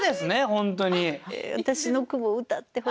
本当に。